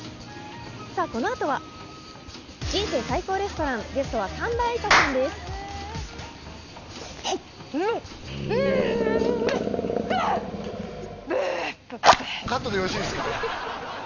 このあとは「人生最高レストラン」ゲストは神田愛花さんです。